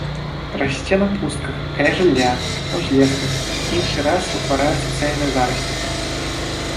Расце на пустках, каля жылля, на ўзлесках, іншы раз утварае суцэльныя зараснікі.